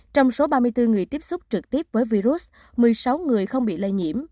trong số ba mươi bốn người tiếp xúc trực tiếp với virus một mươi sáu người không bị lây nhiễm